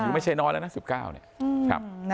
ไม่ใช่น้อยแล้วนะ๑๙เนี่ย